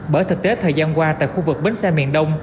bởi thực tế thời gian qua tại khu vực bến xe miền đông